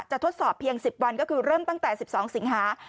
ทดสอบเพียง๑๐วันก็คือเริ่มตั้งแต่๑๒สิงหา